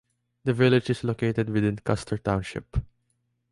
The village is located within Custer Township.